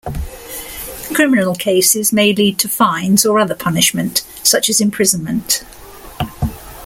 Criminal cases may lead to fines or other punishment, such as imprisonment.